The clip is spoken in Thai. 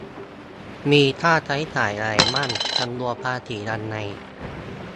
มีค่าใช้จ่ายอะไรบ้าง คำนวณภาษียังไง